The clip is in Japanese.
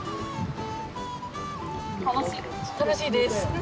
楽しいです！